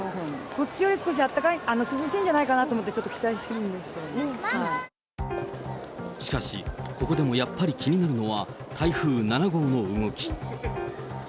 こっちより少し涼しいんじゃないかなと思って、ちょっと期待してしかし、ここでもやっぱり気になるのは、台風７号の動き。